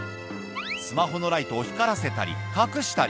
スマホのライトを光らせたり、隠したり。